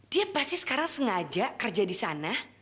dia pasti sekarang sengaja kerja di sana